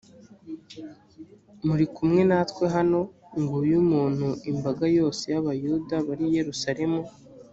muri kumwe natwe hano nguyu umuntu imbaga yose y abayahudi bari i yerusalemu